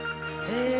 へえ！